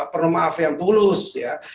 perlu maaf yang tulus ya